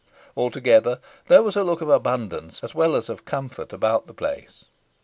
Altogether, there was a look of abundance as well as of comfort about the place.